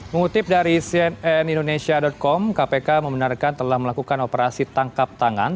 mengutip dari cnn indonesia com kpk membenarkan telah melakukan operasi tangkap tangan